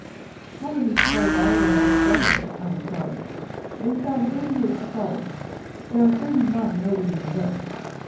"How many skulls are there altogether?" I inquired. "They found thirty eight skulls; there are thirty nine noted in the list.